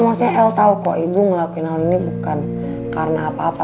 maksudnya el tahu kok ibu ngelakuin hal ini bukan karena apa apa